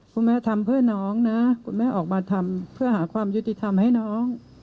คุณแม่ทำเพื่อน้องนะคุณแม่ออกมาทำเพื่อหาความยุติธรรมให้น้อง